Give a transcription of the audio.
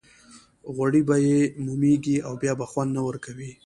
غوړي به یې مومېږي او بیا به خوند نه ورکوي.